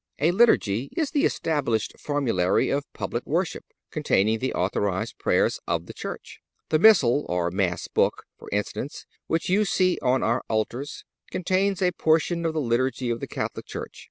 A Liturgy is the established formulary of public worship, containing the authorized prayers of the Church. The Missal, or Mass book, for instance, which you see on our altars, contains a portion of the Liturgy of the Catholic Church.